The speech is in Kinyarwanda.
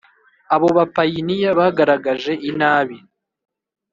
Abo bapayiniya bagaragaje inabi